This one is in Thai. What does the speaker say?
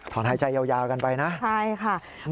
ถอนหายใจยาวกันไปนะค่ะนะค่ะ